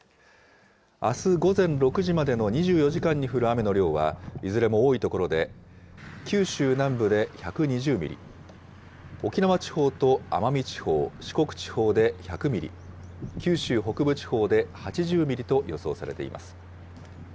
あす午前６時までの２４時間に降る雨の量はいずれも多い所で、九州南部で１２０ミリ、沖縄地方と奄美地方、四国地方で１００ミリ、九州北部地方で８０ミリと予想されています。